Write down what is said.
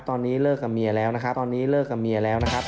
ตอนนี้เลิกกับเมียแล้วนะครับ